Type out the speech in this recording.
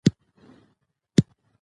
د افغانستان په منظره کې بامیان ښکاره ده.